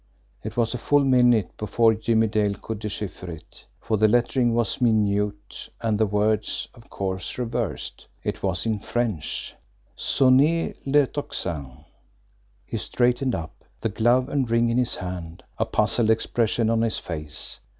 It was a full minute before Jimmie Dale could decipher it, for the lettering was minute and the words, of course, reversed. It was in French: SONNEZ LE TOCSIN. He straightened up, the glove and ring in his hand, a puzzled expression on his face.